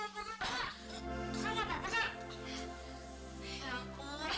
nah malam ini